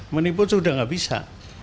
menipu sudah tidak bisa